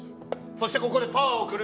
そしてここでパワーを送る。